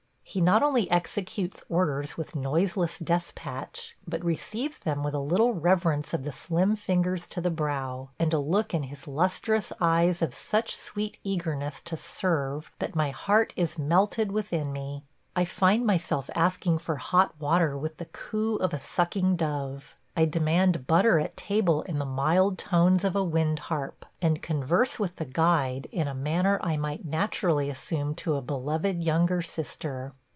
He not only executes orders with noiseless despatch, but receives them with a little reverence of the slim fingers to the brow, and a look in his lustrous eyes of such sweet eagerness to serve that my heart is melted within me. I find myself asking for hot water with the coo of a sucking dove; I demand butter at table in the mild tones of a wind harp, and converse with the guide in a manner I might naturally assume to a beloved younger sister.